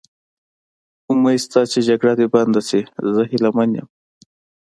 امید شته چې جګړه دې بنده شي، زه هیله من یم.